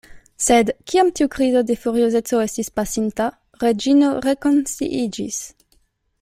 Sed, kiam tiu krizo de furiozeco estis pasinta, Reĝino rekonsciiĝis.